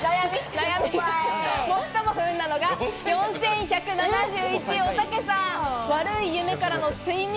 最も不運なのが４１７１位、おたけさん。